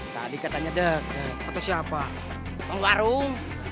tadi katanya deket atau siapa pengwarung